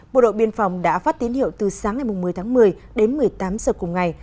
bộ đội biên phòng đã phát tín hiệu từ sáng ngày một mươi tháng một mươi đến một mươi tám giờ cùng ngày